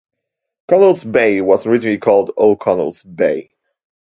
Connells Bay was originally called O'Connells Bay.